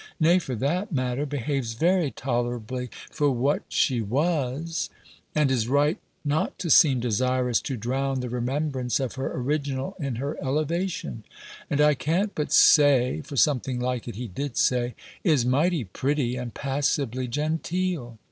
Nay, for that matter, behaves very tolerably for what she was And is right, not to seem desirous to drown the remembrance of her original in her elevation And, I can't but say" (for something like it he did say), "is mighty pretty, and passably genteel."